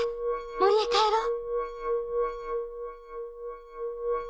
森へ帰ろう。